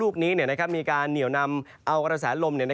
ก็มีการเหนียวนำออกระแสลมลม